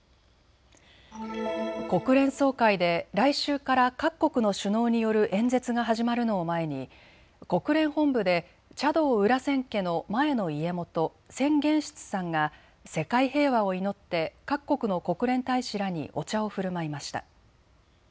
国連総会で来週から各国の首脳による演説が始まるのを前に国連本部で茶道・裏千家の前の家元、千玄室さんが世界平和を祈って各国の国連大使らにお茶をふるまいました。